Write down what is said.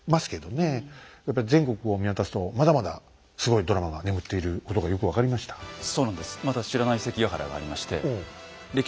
やっぱり全国を見渡すとまだまだすごいドラマが眠っていることがよく分かりました。